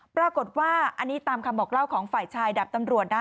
ปรากฏว่าอันนี้ตามคำบอกเล่าของฝ่ายชายดับตำรวจนะ